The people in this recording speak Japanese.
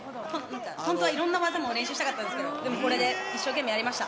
本当はいろんな技も練習したかったんですけど、でも、これで一生懸命やりました。